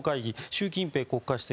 習近平国家主席